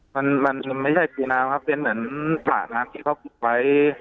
มันมันไม่ใช่ปีน้ำครับเป็นเหมือนสระน้ำที่เขาปิดไว้